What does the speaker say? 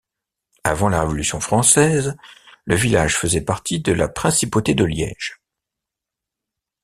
Avant la révolution française, le village faisait partie de la Principauté de Liège.